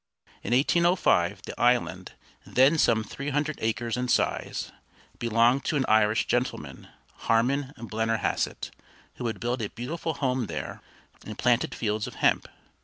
In 1805 the island, then some three hundred acres in size, belonged to an Irish gentleman, Harman Blennerhassett, who had built a beautiful home there and planted fields of hemp.